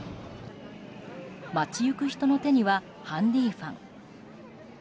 街行く人の手にはハンディーファン。